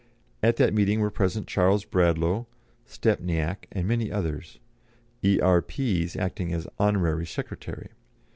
At that meeting were present Charles Bradlaugh, "Stepniak," and many others, E.R. Pease acting as honorary secretary.